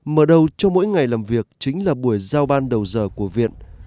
mở đầu cho mỗi ngày làm việc chính là buổi giao ban đầu giờ của viện